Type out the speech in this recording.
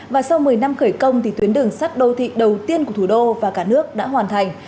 và sau một mươi năm khởi công tuyến đường sắt đô thị đầu tiên của thủ đô và cả nước đã hoàn thành